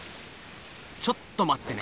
ちょっと待ってね。